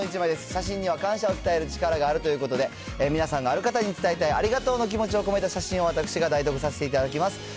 写真にはの力があるということで、皆さんのある方に伝えたいありがとうの気持ちを込めた写真を私が代読いたします。